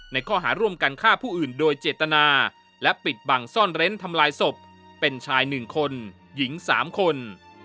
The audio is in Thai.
ข้อหาร่วมกันฆ่าผู้อื่นโดยเจตนาและปิดบังซ่อนเร้นทำลายศพเป็นชาย๑คนหญิง๓คน